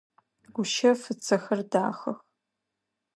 Гущэф ыцэхэр дахэх.